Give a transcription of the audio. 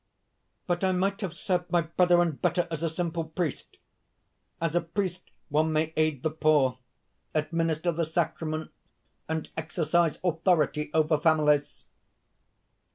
"But I might have served my brethren better as a simple priest. As a priest one may aid the poor, administer the sacraments, and exercise authority over families.